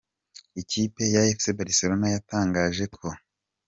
Ikipe ya Fc Barcelone yatangaje ko.